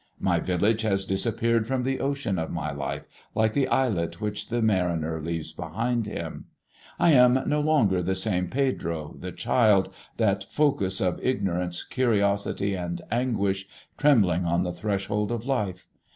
My village has disappeared from the ocean of my life like the islet which the mariner leaves behind him. I am no longer the same Pedro, the child, that focus of ignorance, curiosity, and anguish trembling on the threshold of life.